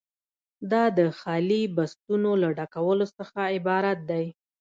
دا د خالي بستونو له ډکولو څخه عبارت دی.